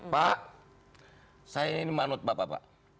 pak saya ini manut bapak pak